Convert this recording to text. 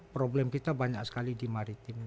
problem kita banyak sekali di maritim